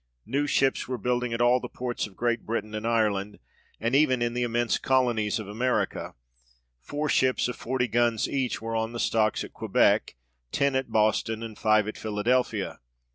New ships were building at all the ports of Great Britain and Ireland, and even in the immense colonies of America ; four ships of 40 guns each, were on the stocks at Quebeck ; ten at Boston, and five at Philadelphia.